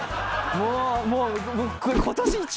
もうもう。